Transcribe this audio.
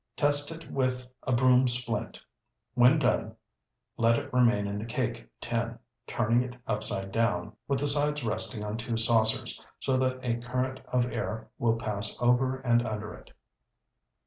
Test it with a broom splint. When done, let it remain in the cake tin, turning it upside down, with the sides resting on two saucers, so that a current of air will pass over and under it.